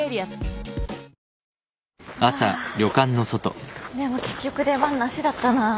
あでも結局出番なしだったなぁ。